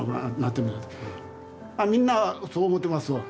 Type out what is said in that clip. みんなそう思ってますわ。